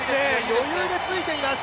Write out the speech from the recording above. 余裕でついています。